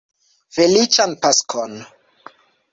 Feliĉan Paskon!